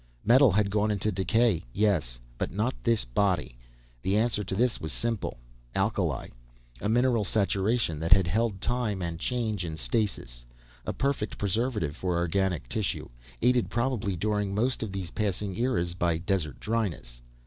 Metal had gone into decay yes. But not this body. The answer to this was simple alkali. A mineral saturation that had held time and change in stasis. A perfect preservative for organic tissue, aided probably during most of those passing eras by desert dryness.